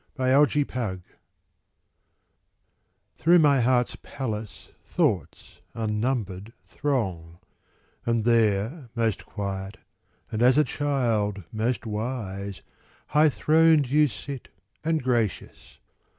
Day and Night Through my heart's palace Thoughts unnumbered throng; And there, most quiet and, as a child, most wise, High throned you sit, and gracious.